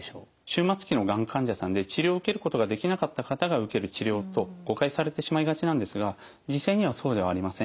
終末期のがん患者さんで治療を受けることができなかった方が受ける治療と誤解されてしまいがちなんですが実際にはそうではありません。